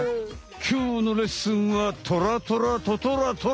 きょうのレッスンはトラトラトトラトラ！